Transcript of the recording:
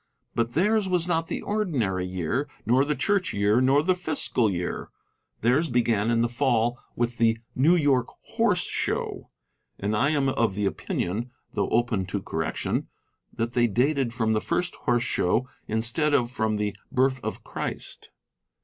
But theirs was not the ordinary year, nor the Church year, nor the fiscal year. Theirs began in the Fall with the New York Horse Show. And I am of the opinion, though open to correction, that they dated from the first Horse Show instead of from the birth of Christ.